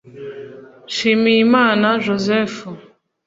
Nshimiyimana Joseph